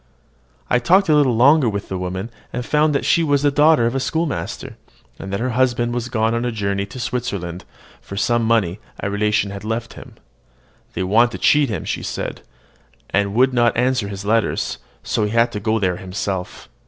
I talked a little longer with the woman, and found that she was the daughter of the schoolmaster, and that her husband was gone on a journey into Switzerland for some money a relation had left him. "They wanted to cheat him," she said, "and would not answer his letters; so he is gone there himself.